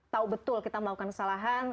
tahu betul kita melakukan kesalahan